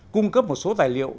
cung cấp một số tài liệu